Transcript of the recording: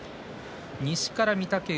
西から御嶽海。